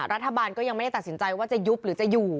รัฐบาลก็ยังไม่ได้ตัดสินใจว่าจะยุบหรือจะอยู่